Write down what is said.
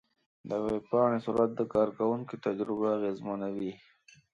د ویب پاڼې سرعت د کارونکي تجربه اغېزمنوي.